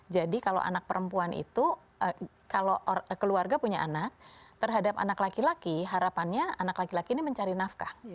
jadi kalau anak perempuan itu kalau keluarga punya anak terhadap anak laki laki harapannya anak laki laki ini mencari nafkah